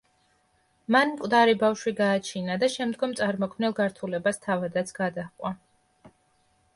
მან მკვდარი ბავშვი გააჩინა და შემდგომ წარმოქმნილ გართულებას თავადაც გადაჰყვა.